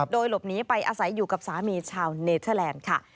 โดยหลบหนีไปอาศัยอยู่กับสามีชาวเนเทอร์แลนด์ค่ะ